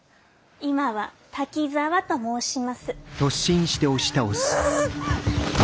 今は滝沢と申します。